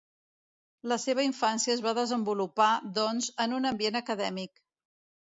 La seva infància es va desenvolupar, doncs, en un ambient acadèmic.